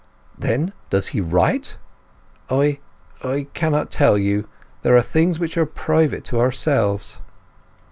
"Then, does he write?" "I—I cannot tell you. There are things which are private to ourselves."